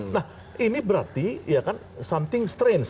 nah ini berarti ya kan something strange